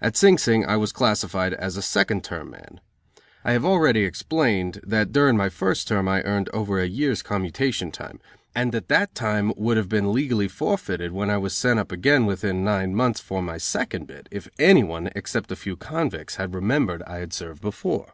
At Sing Sing I was classified as a second term man. I have already explained that during my first term I earned over a year's commutation time; and that that time would have been legally forfeited when I was sent up again within nine months for my second bit if any one, except a few convicts, had remembered I had served before.